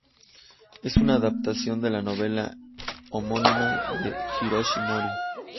Es una adaptación de la novela homónima de Hiroshi Mori.